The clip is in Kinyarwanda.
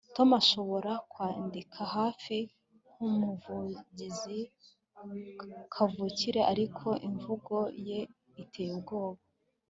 Tom arashobora kwandika hafi nkumuvugizi kavukire ariko imvugo ye iteye ubwoba